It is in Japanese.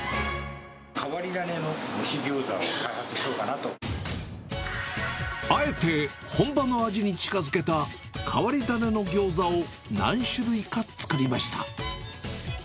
変わり種の蒸しギョーザを開あえて本場の味に近づけた、変わり種のギョーザを何種類か作りました。